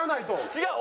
違う！